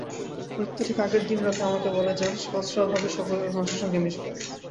মৃত্যুর ঠিক আগের দিন রাতে আমাকে বলে যান, সহজ-সরলভাবে মানুষের সঙ্গে মিশবে।